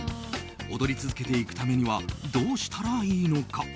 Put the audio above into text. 踊り続けていくためにはどうしたらいいのか。